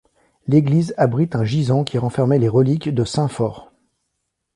L'église abrite un gisant qui renfermait les reliques de saint Fort.